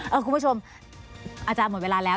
คุณผู้ชมอาจารย์หมดเวลาแล้ว